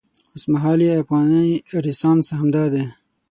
اوسمهالی افغاني رنسانس همدا دی.